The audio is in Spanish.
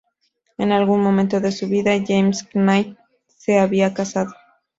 En algún momento de su vida James Knight se había casado.